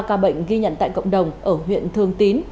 ba ca bệnh ghi nhận tại cộng đồng ở huyện thương tín